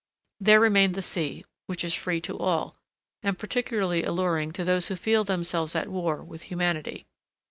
There remained the sea, which is free to all, and particularly alluring to those who feel themselves at war with humanity.